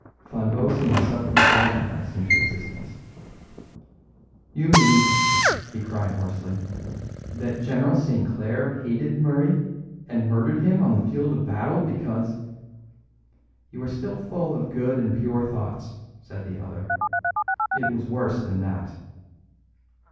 Flambeau seemed suddenly galvanised into existence. "You mean," he cried hoarsely, "that General St. Clare hated Murray, and murdered him on the field of battle because " "You are still full of good and pure thoughts," said the other. "It was worse than that."